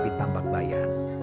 tapi tambak bayar